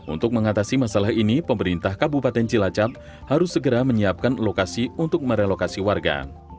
untuk mengatasi masalah ini pemerintah kabupaten cilacap harus segera menyiapkan lokasi untuk merelokasi warga